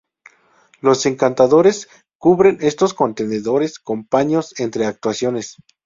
Los encantadores cubren estos contenedores con paños entre actuaciones.